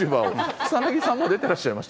草さんも出てらっしゃいましたよね？